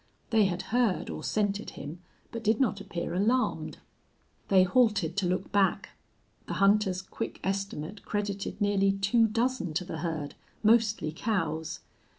They had heard or scented him, but did not appear alarmed. They halted to look back. The hunter's quick estimate credited nearly two dozen to the herd, mostly cows.